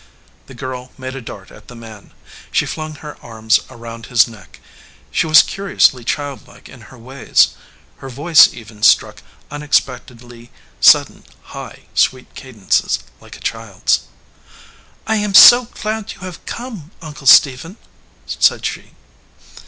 The girl made a dart at the man. She flung her arms around his neck. She was curiously child like in her ways. Her voice even struck unexpect edly sudden high, sweet cadences, like a child s. 262 RING WITH THE GREEN STONE "I am so glad you have come, Uncle Stephen !" said she.